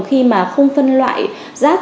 khi mà không phân loại rác